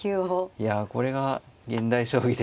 いやこれが現代将棋ですか。